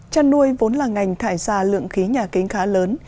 chăn nuôi vốn là ngành thải ra lượng khí nhà kính khá lớn